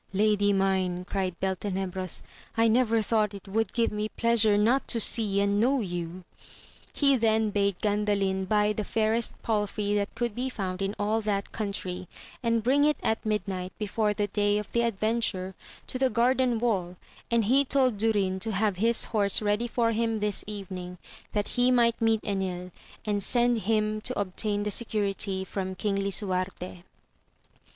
Lady mine, cried Beltenebros, I never thought it would gir6 me pleasure not to see and know you ! He then bade Gandalin buy the fairest palfrey that could be found in all that country, and bring it at midnight before the day of the adventure, to the garden wall j and he told Dunn to have his horse ready for him this evening, that he might meet Enil, and send him to obtain the security from King Li suarte.